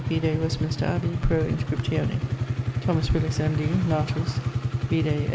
vide Westminster Abbey pro inscriptione. Thomas Willis, M.D., natus ...; (vide A.